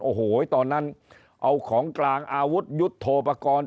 โอ้โหตอนนั้นเอาของกลางอาวุธยุทธโทปกรณ์